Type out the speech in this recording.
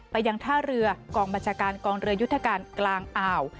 ไปยังท่าเรือกองบัญชาการกองเรือยุทธการกลางอ่าว